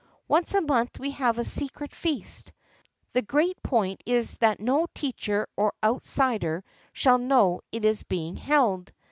Once a month we have a secret feast. The great point is that no teacher or out sider shall know it is being held.